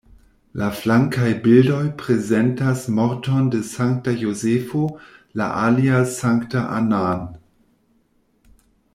La flankaj bildoj prezentas morton de Sankta Jozefo, la alia Sanktan Anna-n.